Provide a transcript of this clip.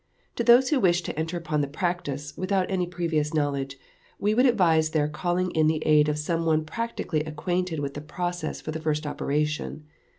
To those who wish to enter upon the practice, without any previous knowledge, we would advise their calling in the aid of some one practically acquainted with the process for the first operation.